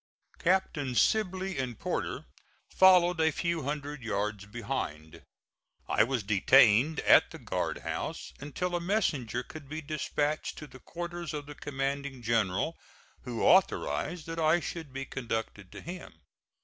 Captains Sibley and Porter followed a few hundred yards behind. I was detained at the guard house until a messenger could be dispatched to the quarters of the commanding general, who authorized that I should be conducted to him.